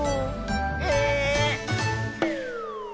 え⁉